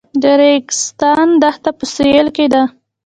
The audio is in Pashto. د ریګستان دښته په سویل کې ده